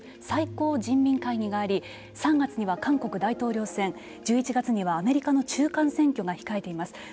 最高人民会議があり３月には韓国大統領選１１月にはアメリカの中間選挙が控えています。